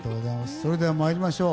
それでは参りましょう。